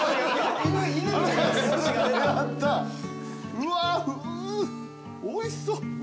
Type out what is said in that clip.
うわおいしそう。